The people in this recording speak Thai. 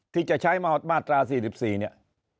ที่จะใช้มาตรา๔๔เนี่ย